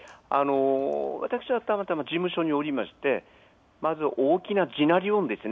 私はたまたま事務所におりましてまず大きな地鳴り音です。